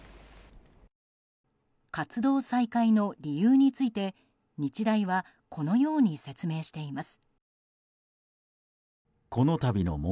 活動再開の理由について日大はこのように説明しています。